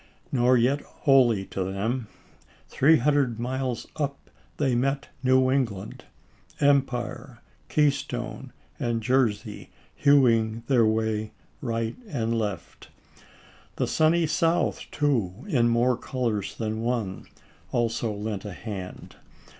Nor yet wholly to them. Three hundred miles up they met New England, Empire, Keystone, and Jersey, hewing their way right and left. The sunny South, too, in more colors than one, also lent a hand.